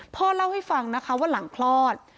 พ่อเล่าให้ฟังนะคะว่าหลังคลอด